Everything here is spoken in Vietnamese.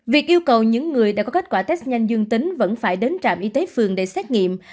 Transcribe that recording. việc yêu cầu những người đã có kết quả test nhanh dương tính vẫn phải đến trạm y tế phường để xét nghiệm